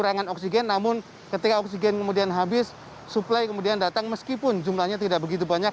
serangan oksigen namun ketika oksigen kemudian habis suplai kemudian datang meskipun jumlahnya tidak begitu banyak